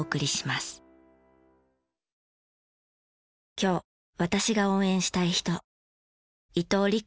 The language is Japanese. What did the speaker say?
今日私が応援したい人。